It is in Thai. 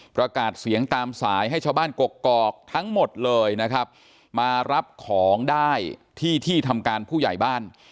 ประกาศเสียงตามสายให้ชาวบ้านกกอกทั้งหมดเลยนะครับมารับของได้ที่ที่ทำการผู้ใหญ่บ้าน